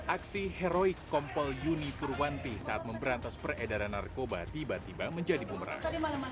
aksi heroik kompol yuni purwanti saat memberantas peredaran narkoba tiba tiba menjadi bumerang